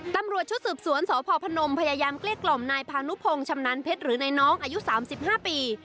ตำรวจชุดสืบสวนสพพนมพยายามเกลี้ยกล่อมนายพานุพงศ์ชำนาญเพชรหรือนายน้องอายุ๓๕ปี